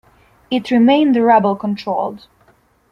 It remained rebel-controlled.